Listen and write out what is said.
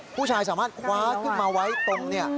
ผู้ชายสามารถคว้าขึ้นมาไว้ตรงนี้